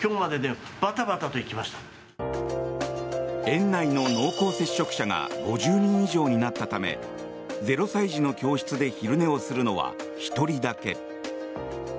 園内の濃厚接触者が５０人以上になったため０歳児の教室で昼寝をするのは１人だけ。